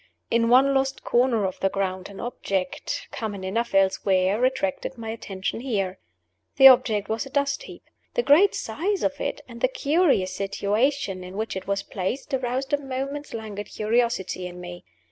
In one lost corner of the ground an object, common enough elsewhere, attracted my attention here. The object was a dust heap. The great size of it, and the curious situation in which it was placed, aroused a moment's languid curiosity in me.